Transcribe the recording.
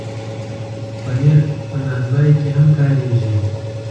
پنېر په نان بای کې هم کارېږي.